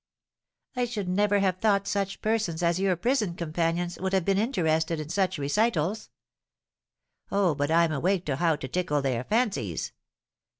"I should never have thought such persons as your prison companions would have been interested in such recitals!" "Oh, but I'm awake to how to tickle their fancies.